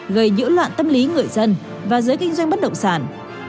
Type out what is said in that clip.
gây nhiễu loạn tâm lý người dân và giới kinh doanh bất động sản